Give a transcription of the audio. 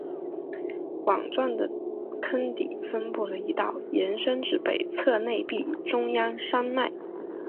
碗状的坑底分布了一道延伸至北侧内壁中央山脉。